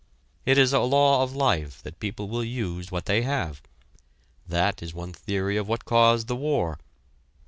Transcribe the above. It is a law of life that people will use what they have. That is one theory of what caused the war.